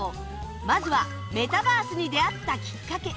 まずはメタバースに出会ったきっかけ